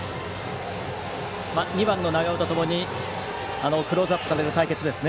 ２番の長尾とともにクローズアップされる対決ですね